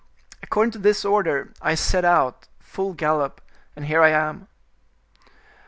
According to this order, I set out, full gallop, and here I am."